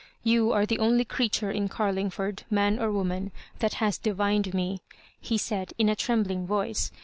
You are the only creature in Carling ford, man or woman, that has divined me,'' he said, in a trembling voice.